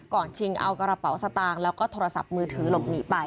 ชิงเอากระเป๋าสตางค์แล้วก็โทรศัพท์มือถือหลบหนีไป